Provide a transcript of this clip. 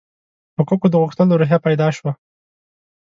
حقوقو د غوښتلو روحیه پیدا شوه.